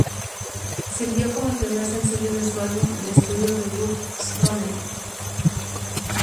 Sirvió como el primer sencillo de su álbum de estudio debut, Stoney.